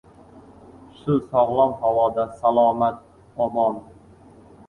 Shu sog‘lom havoda salomat — omon